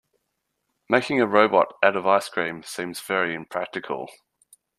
Making a robot out of ice cream seems very impractical.